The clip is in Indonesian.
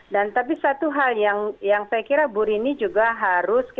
dan tapi satu hal yang saya kira bu rini juga harus